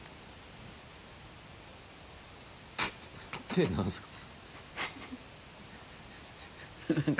手何すか？